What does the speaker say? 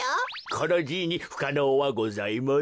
このじいにふかのうはございません。